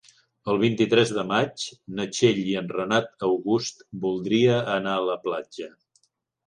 El vint-i-tres de maig na Txell i en Renat August voldria anar a la platja.